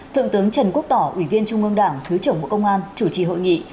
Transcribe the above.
thượng tướng trần quốc tỏ ủy viên trung ương đảng thứ trưởng bộ công an chủ trì hội nghị